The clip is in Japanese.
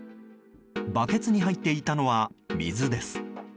バケツに入っていたのは水です。